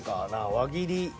輪切りで。